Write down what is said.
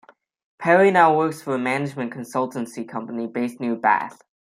Perry now works for a management consultancy company based near Bath.